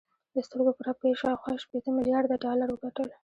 د سترګو په رپ کې یې شاوخوا شپېته میلارده ډالر وګټل